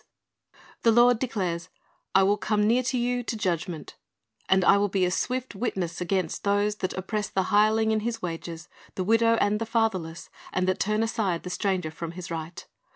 372 Clirist's Object Lessons The Lord declares, "I will come near to you to judgment; and I will be a swift witness against ... those that oppress the hireling in his wages, the widow, and the fatherless, and that turn aside the stranger from his right."